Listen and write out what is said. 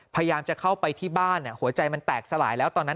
พยายามจะเข้าไปที่บ้านหัวใจมันแตกสลายแล้วตอนนั้น